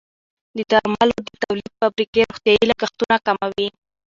د درملو د تولید فابریکې روغتیايي لګښتونه کموي.